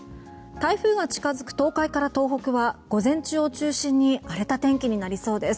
台風が近付く東海から東北は午前中を中心に荒れた天気になりそうです。